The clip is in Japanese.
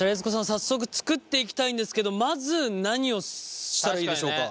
早速作っていきたいんですけどまず何をしたらいいでしょうか？